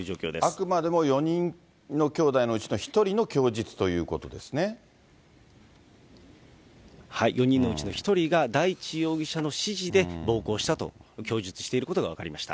あくまでも４人のきょうだいのうちの１人の供述ということで４人のうちの１人が、大地容疑者の指示で暴行したと供述していることが分かりました。